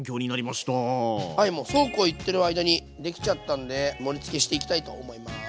はいもうそうこう言ってる間にできちゃったんで盛りつけしていきたいと思います。